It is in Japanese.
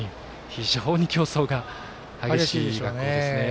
非常に競争が激しい学校ですね。